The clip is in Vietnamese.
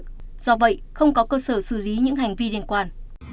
do vậy không có cơ sở xử lý những hành vi liên quan